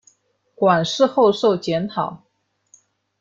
馆试后授检讨。